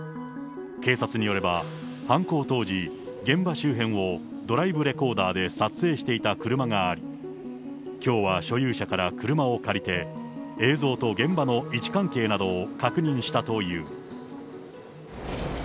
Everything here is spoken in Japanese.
警察によれば、犯行当時、現場周辺をドライブレコーダーで撮影していた車があり、きょうは所有者から車を借りて、映像と現場の位置関係などを確認したという。